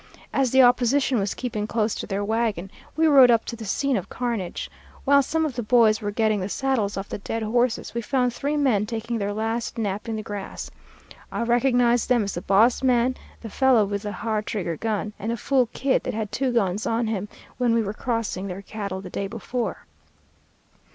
As the opposition was keeping close to their wagon, we rode up to the scene of carnage. While some of the boys were getting the saddles off the dead horses, we found three men taking their last nap in the grass. I recognized them as the boss man, the fellow with the ha'r trigger gun, and a fool kid that had two guns on him when we were crossing their cattle the day before.